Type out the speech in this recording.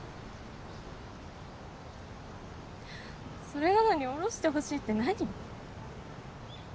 それなのに堕ろしてほしいって何？